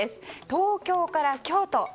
東京から京都。